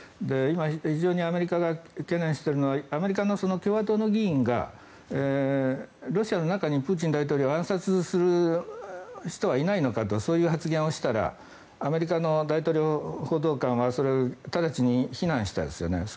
今、非常にアメリカが懸念しているのはアメリカの共和党の議員がロシアの中にプーチン大統領を暗殺する人はいないのかとそういう発言をしたらアメリカの大統領報道官はそれを直ちに非難しましたよね。